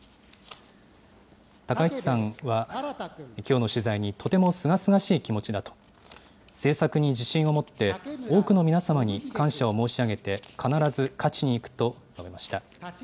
高市さんは、きょうの取材に、とてもすがすがしい気持ちだと、政策に自信を持って、多くの皆様に感謝を申し上げて、必ず勝ちにいくと述べました。